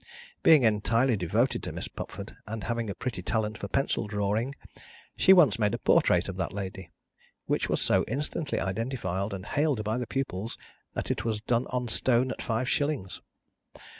Being entirely devoted to Miss Pupford, and having a pretty talent for pencil drawing, she once made a portrait of that lady: which was so instantly identified and hailed by the pupils, that it was done on stone at five shillings.